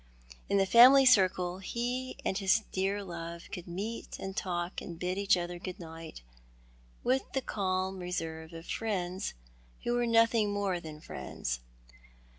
In the family circle he and his dear love could meet and talk and bid each other good night, with the calm reserve of friends who were nothing more than friends.